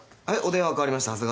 はいお電話代わりました。